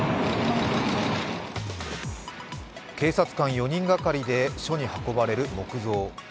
警察官４人がかりで暑に運ばれる木像。